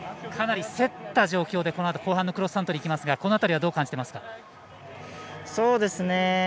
かなり競った状況でこのあと後半のクロスカントリーいきますがこの辺りはどう感じていますか。